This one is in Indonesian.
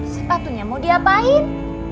sepatunya mau diapain